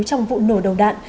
trong vụ nổ đầu đạn